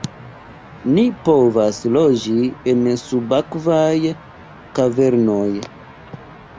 "Ni povas loĝi en subakvaj kavernoj!"